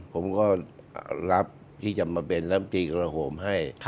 ผมก็รับที่จะมาเป็นลำตีกระโหมให้